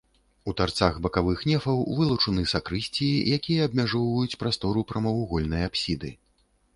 У тарцах бакавых нефаў вылучаны сакрысціі, якія абмяжоўваюць прастору прамавугольнай апсіды.